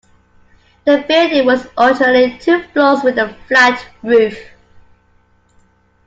The building was originally two floors with a flat roof.